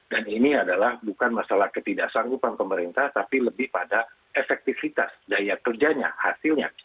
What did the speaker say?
dan ini adalah bukan masalah ketidaksanggupan pemerintah tapi lebih pada efektifitas daya kerjanya hasilnya